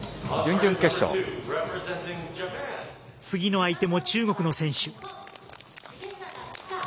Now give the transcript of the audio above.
次の相手も中国の選手。